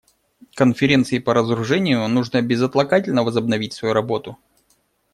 Конференции по разоружению нужно безотлагательно возобновить свою работу.